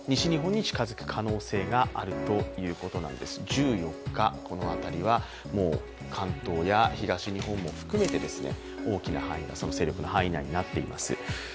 １４日、この辺りはもう、関東や東日本も含めて大きな勢力の範囲内になっています。